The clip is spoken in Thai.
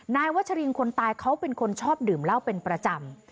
นายวัชรินคนตายเขาเป็นคนชอบดื่มเหล้าเป็นประจำ